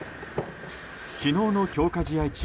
昨日の強化試合中